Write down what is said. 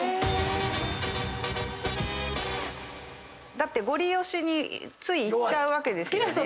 だってゴリ押しについいっちゃうわけですよね？